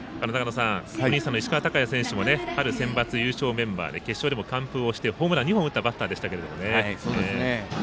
お兄さんの石川昂弥選手も春センバツ優勝メンバーで決勝でも完封をしてホームラン２本打ったバッターでしたけどもね。